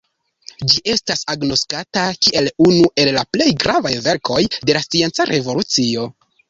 Ĝi estas agnoskata kiel unu el la plej gravaj verkoj de la Scienca revolucio.